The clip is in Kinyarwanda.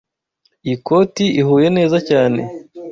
Iyi koti ihuye neza cyane.